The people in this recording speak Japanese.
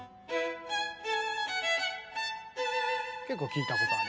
結構聞いたことある。